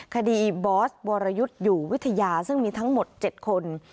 บอสวรยุทธ์อยู่วิทยาซึ่งมีทั้งหมด๗คน